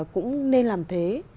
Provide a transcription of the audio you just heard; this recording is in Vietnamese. cũng nên làm thế